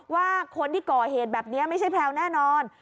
ว่าคนที่ก่อเหตุแบบนี้ไม่ใช่แพลวแน่นอน